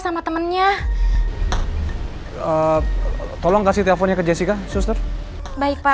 sama temennya tolong kasih teleponnya ke jessica suster baik pak